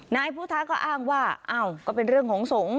นายพุทธะก็อ้างว่าอ้าวก็เป็นเรื่องของสงฆ์